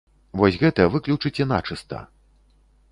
Вось гэта выключыце начыста.